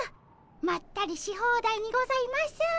まったりし放題にございます。